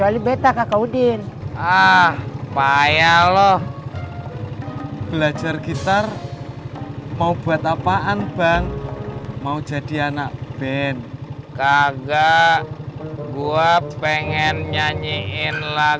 lu tau orangnya